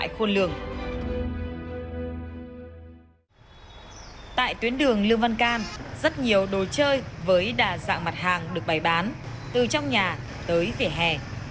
tại tuyến đường lương văn can rất nhiều đồ chơi với đa dạng mặt hàng được bày bán từ trong nhà tới vỉa hè